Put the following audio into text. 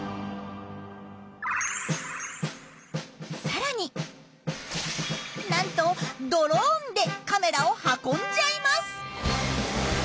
さらになんとドローンでカメラを運んじゃいます！